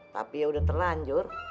tapi ya udah terlanjur